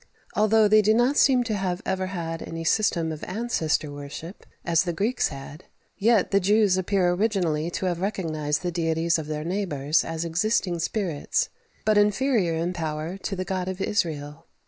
Although they do not seem to have ever had any system of ancestor worship, as the Greeks had, yet the Jews appear originally to have recognized the deities of their neighbours as existing spirits, but inferior in power to the God of Israel.